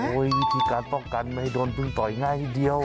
วิธีการป้องกันไม่ให้โดนพึ่งต่อยง่ายนิดเดียว